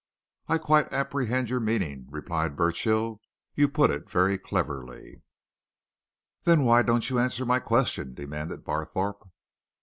"I quite apprehend your meaning," replied Burchill. "You put it very cleverly." "Then why don't you answer my question?" demanded Barthorpe.